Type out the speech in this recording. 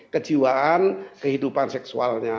kejiwaan kehidupan seksualnya